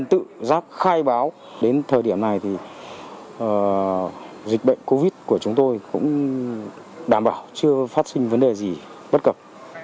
tự giác khai báo đến thời điểm này thì dịch bệnh covid của chúng tôi cũng đảm bảo chưa phát sinh vấn đề gì bất cập